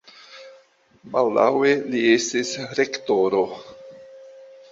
Baldaŭe li estis rektoro.